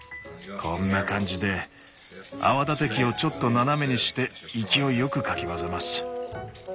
こんな感じで泡立て器をちょっと斜めにして勢いよくかき混ぜます。